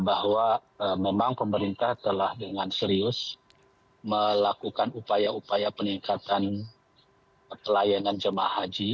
bahwa memang pemerintah telah dengan serius melakukan upaya upaya peningkatan pelayanan jamaah haji